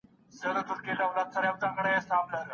نوي څه زده کول کله هم مه پریږدئ.